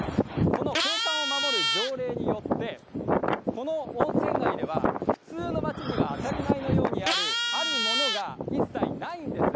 その景観を守る条例によってこの温泉街では普通の町には当たり前のようにあるあるものが一切ないんです。